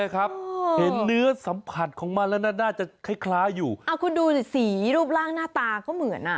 คุณดูสีรูปร่างหน้าตาก็เหมือน